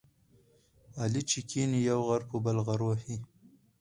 علي چې کېني، یو غر په بل وهي.